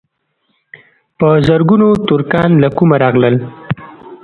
په زرګونو ترکان له کومه راغلل.